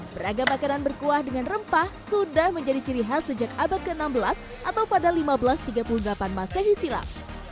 beragam makanan berkuah dengan rempah sudah menjadi ciri khas sejak abad ke enam belas atau pada seribu lima ratus tiga puluh delapan masehi silam